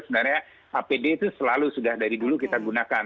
sebenarnya apd itu selalu sudah dari dulu kita gunakan